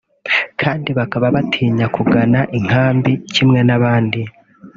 kandi bakaba batinya kugana inkambi kimwe n’abandi